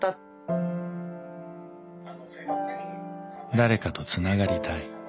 誰かとつながりたい。